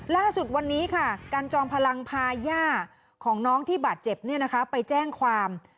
ล่าสุดวันนี้ค่ะกันจอมพลังพาย่าของน้องที่บาดเจ็บไปแจ้งความ